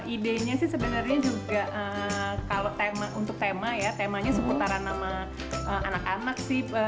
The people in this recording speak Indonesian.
ide nya sih sebenarnya juga untuk tema ya temanya seputaran nama anak anak sih